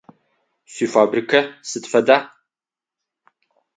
Шъуифабрикэ сыд фэда?